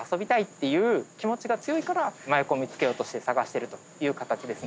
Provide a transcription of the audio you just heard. ていう気持ちが強いから麻薬を見つけようとして探してるという形ですね。